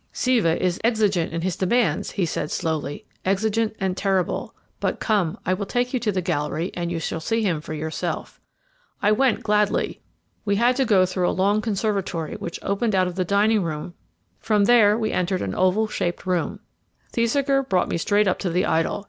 "'Siva is exigent in his demands,' he said slowly 'exigent and terrible. But come, I will take you into the gallery, and you shall see him for yourself.' "I went gladly. We had to go through a long conservatory which opened out of the dining room; from there we entered an oval shaped room. Thesiger brought me straight up to the idol.